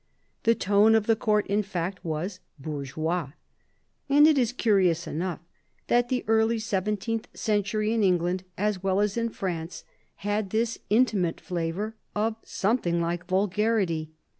The tone of the Court, in fact, was bourgeois ; and it is curious enough that the early seventeenth century in England, as well as in France, had this intimate flavour of something hke vulgarity.